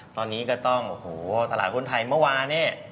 ตอนนี้ก็ต้องโอ้โหตลาดหุ้นไทยเมื่อวานเนี่ย